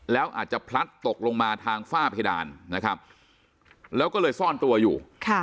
แล้วอาจจะพลัดตกลงมาทางฝ้าเพดานนะครับแล้วก็เลยซ่อนตัวอยู่